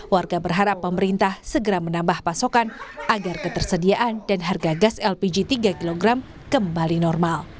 warga berharap pemerintah segera menambah pasokan agar ketersediaan dan harga gas lpg tiga kg kembali normal